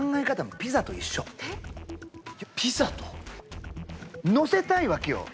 ピザと⁉のせたいわけよ！